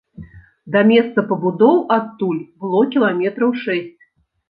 Да месца пабудоў адтуль было кіламетраў шэсць.